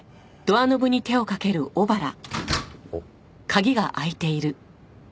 あっ。